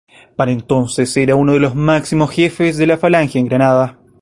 Para entonces era uno de los máximos jefes de Falange en Granada.